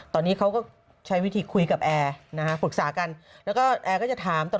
ตอนนี้เขาก็ใช้วิธีคุยกับแอร์นะฮะปรึกษากันแล้วก็แอร์ก็จะถามต่อ